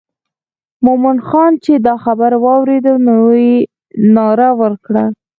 مومن خان چې دا خبره واورېده نو یې ناره وکړه.